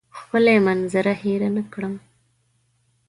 ښکلې منظره هېره نه کړم.